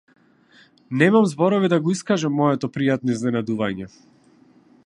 Немам зборови да го искажам моето пријатно изненадување.